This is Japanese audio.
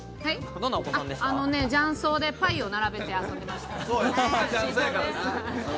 雀荘でパイを並べて遊んでました。